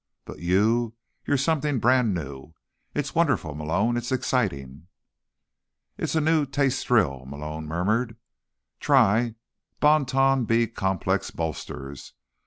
But you, you're something brand new. It's wonderful, Malone. It's exciting." "It's a new taste thrill," Malone murmured. "Try Bon Ton B Complex Bolsters.